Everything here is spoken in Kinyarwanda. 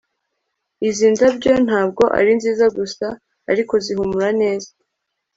izi ndabyo ntabwo ari nziza gusa, ariko zihumura neza